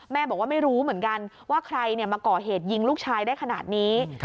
บอกว่าไม่รู้เหมือนกันว่าใครมาก่อเหตุยิงลูกชายได้ขนาดนี้